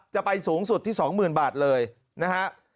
จะไปสูงสุดที่๒๐๐๐บาทเลยนะฮะ